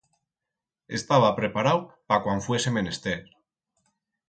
Estaba preparau pa cuan fuese menester.